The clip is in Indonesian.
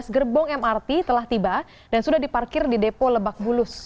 dua belas gerbong mrt telah tiba dan sudah diparkir di depo lebak bulus